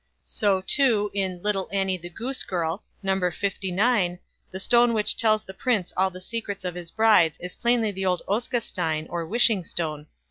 So, too, in "Little Annie the Goose girl", No. lix, the stone which tells the Prince all the secrets of his brides is plainly the old Oskastein, or "wishing stone".